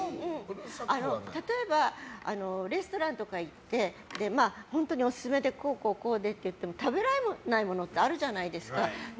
例えば、レストランとか行って本当にオススメでこうこうこうでって言っても食べられないものってあるじゃないですか。